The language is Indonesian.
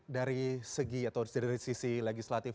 dari segi atau dari sisi legislatif